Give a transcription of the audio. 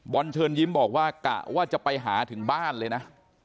เชิญยิ้มบอกว่ากะว่าจะไปหาถึงบ้านเลยนะ